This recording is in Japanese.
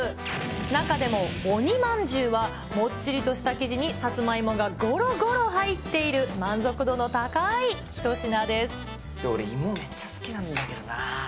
中でも鬼まんじゅうは、もっちりとした生地に、さつまいもがごろごろ入っている、俺、芋めっちゃ好きなんだけどな。